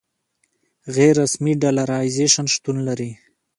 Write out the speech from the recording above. غیر رسمي ډالرایزیشن شتون لري.